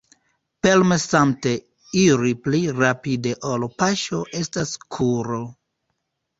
Permesante iri pli rapide ol paŝo estas kuro.